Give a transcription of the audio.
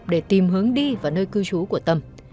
để tìm hướng đi vào nơi cư trú của tâm